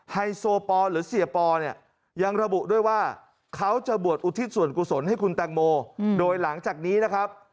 ไฮโซปอลหรือเสียปอเนี่ยยังระบุด้วยว่าเขาจะบวชอุทิศส่วนกุศลให้คุณแตงโมโดยหลังจากนี้นะครับ